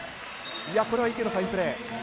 これは池のファインプレー。